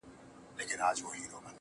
• خپل مخ واړوې بل خواتــــه.